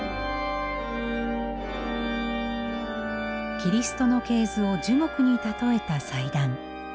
キリストの系図を樹木に例えた祭壇。